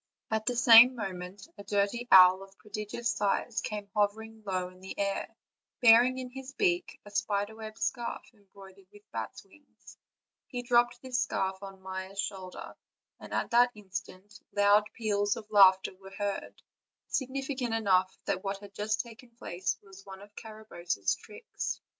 At the same mo ment a dirty owl, of a prodigious size, came hovering low in the air, bearing in his beak a spider web scarf, embroidered with bats' wings; he dropped this scarf on Maia's shoulder, and at that instant loud peals of laugh ter were heard, significant enough that what had just taken place was one of Carabosse's tricks.